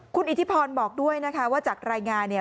คุณอิทธิพรบอกด้วยนะคะว่าจากรายงานเนี่ย